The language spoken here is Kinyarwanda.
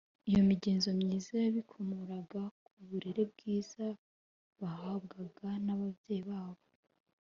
Iyo migenzomyiza bayikomoraga ku burere bwiza bahabwaga n’ababyeyi babo.